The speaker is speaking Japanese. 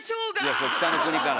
それ「北の国から」。